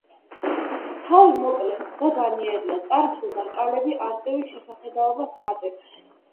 თავი მოკლე და განიერია, წარბზედა რკალები „არწივის“ შესახედაობას მატებს.